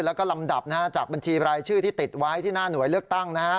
แล้วก็ลำดับจากบัญชีรายชื่อที่ติดไว้ที่หน้าหน่วยเลือกตั้งนะฮะ